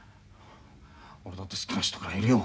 俺だって好きな人ぐらいいるよ。